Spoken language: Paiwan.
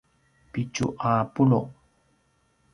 pitju a pulu’